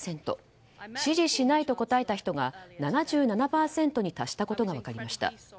支持しないと答えた人が７７％に達したことが分かりました。